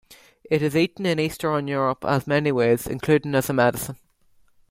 It is eaten in Eastern Europe in many ways including as a medicine.